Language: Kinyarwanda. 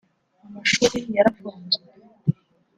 Amashuri yarafunzwe